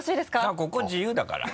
あっここ自由だから。